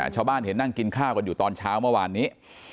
ชาวบ้านเห็นนั่งกินข้าวกันอยู่ตอนเช้าเมื่อวานนี้